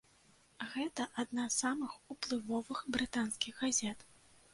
Гэта адна з самых уплывовых брытанскіх газет.